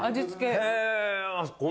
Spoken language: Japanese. へぇ。